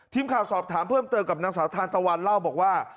ทีมข่าวสอบถามเพิ่มเติมกับนางสาวทานตะวันเล่าบอกว่า